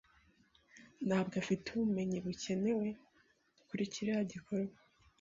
Ntabwo afite ubumenyi bukenewe kuri kiriya gikorwa.